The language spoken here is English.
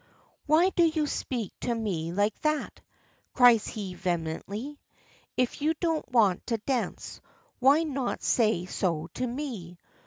"Why do you speak to me like that?" cries he vehemently. "If you don't want to dance, why not say so to me?